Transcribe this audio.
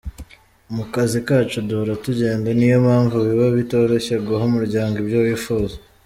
Mu kazi kacu duhora tugenda niyo mpamvu biba bitoroshye guha umuryango ibyo wifuza.